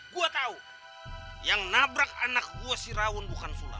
gue tahu yang nabrak anak gua si rawon bukan sula